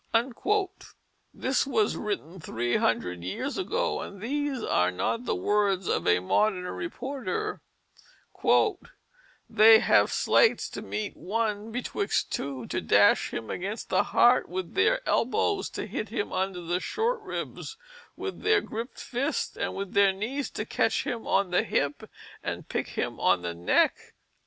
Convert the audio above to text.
[Illustration: Stephen Row Bradley, 1800. circa] This was written three hundred years ago, and these are not the words of a modern reporter, "They have sleights to meet one betwixt two, to dash him against the heart with their elbows, to hit him under the short ribs with their griped fists, and with their knees to catch him on the hip and pick him on the neck."